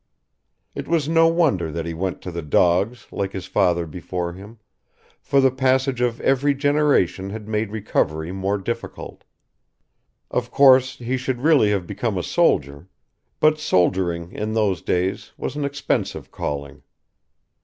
It was no wonder that he went to the dogs like his father before him, for the passage of every generation had made recovery more difficult. Of course he should really have become a soldier; but soldiering in those days was an expensive calling.